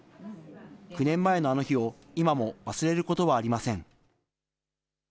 ９年前のあの日を今も忘れることはありません。